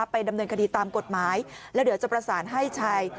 ไปดำเนินคดีตามกฎหมายแล้วเดี๋ยวจะประสานให้ชาย